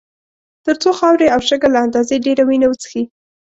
تر څو خاورې او شګه له اندازې ډېره وینه وڅښي.